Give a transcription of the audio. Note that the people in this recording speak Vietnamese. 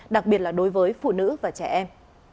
đặc biệt là đối với phụ nữ và trẻ em